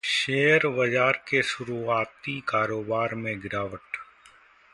share बाजार के शुरुआती कारोबार में गिरावट